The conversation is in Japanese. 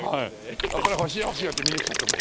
これ欲しい欲しいってみんな来ちゃって。